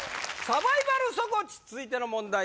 サバイバルソクオチ続いての問題